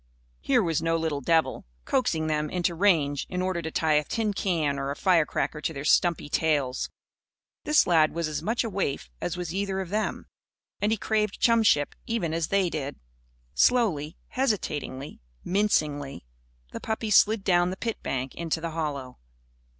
Here was no little devil, coaxing them into range in order to tie a tin can or a firecracker to their stumpy tails. This lad was as much a waif as was either of them. And he craved chumship, even as did they. Slowly, hesitatingly, mincingly, the puppies slid down the pit bank into the hollow.